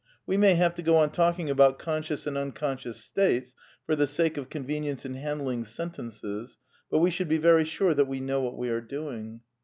We may have to go on talk ing about conscious and unconscious states, for the sake of convenience in handling sentences, but we should be very sure that we know what we are doing.